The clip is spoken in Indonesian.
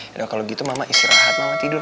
udah kalau gitu mama istirahat mama tidur